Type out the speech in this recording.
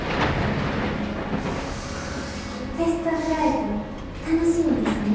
テストフライト楽しみですね。